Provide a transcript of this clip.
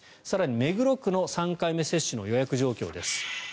更に目黒区の３回目の接種の予約状況です。